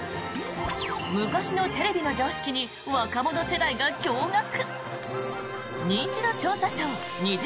昔のテレビの常識に若者世代が驚がく！